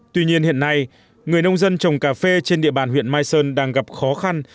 tuy nhiên hiện nay người nông dân trồng cà phê trên địa bàn huyện mai sơn đang gặp khó khăn